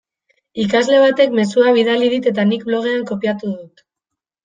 Ikasle batek mezua bidali dit eta nik blogean kopiatu dut.